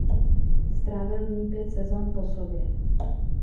Strávil v ní pět sezon po sobě.